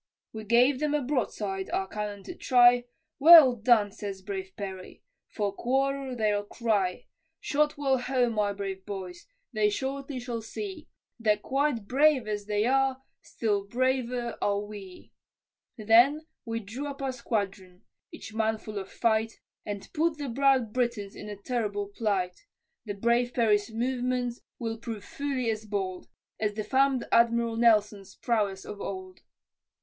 We gave them a broadside, our cannon to try, "Well done," says brave Perry, "for quarter they'll cry, Shot well home, my brave boys, they shortly shall see, That quite brave as they are, still braver are we." Then we drew up our squadron, each man full of fight, And put the proud Britons in a terrible plight, The brave Perry's movements will prove fully as bold, As the fam'd Admiral Nelson's prowess of old.